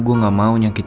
shade semua bikin